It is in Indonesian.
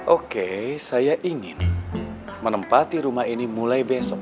oke saya ingin menempati rumah ini mulai besok